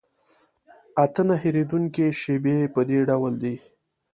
اته نه هېرېدونکي شیبې په دې ډول دي.